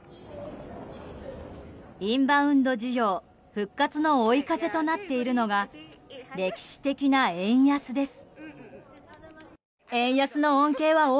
インバウンド需要、復活の追い風となっているのが歴史的な円安です。